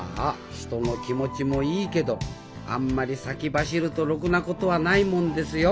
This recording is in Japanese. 人の気持ちもいいけどあんまり先走るとろくなことはないもんですよ